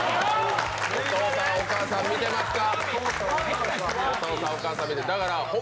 お父さん、お母さん、見てますか？